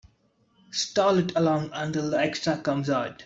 Stall it along until the extra comes out.